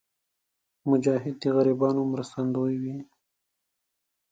مجاهد د غریبانو مرستندوی وي.